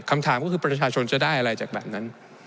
คำถามก็คือประชาชนจะได้อะไรจากแบบนั้น